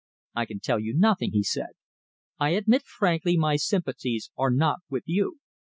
"I can tell you nothing," he said. "I admit frankly my sympathies are not with you.